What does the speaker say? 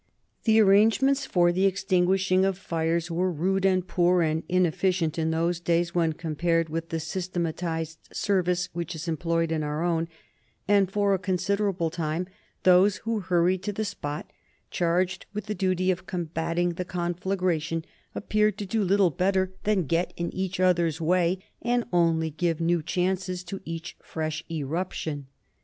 The arrangements for the extinguishing of fires were rude and poor and inefficient in those days when compared with the systematized service which is employed in our own, and for a considerable time those who hurried to the spot, charged with the duty of combating the conflagration, appeared to do little better than get in each other's way and only give new chances to each fresh eruption.